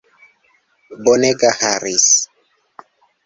Bonega Harris!